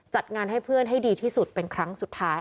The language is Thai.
จัดงานให้เพื่อนให้ดีที่สุดเป็นครั้งสุดท้าย